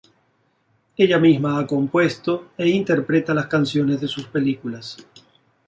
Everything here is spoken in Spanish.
Ella misma ha compuesto e interpreta las canciones de sus películas.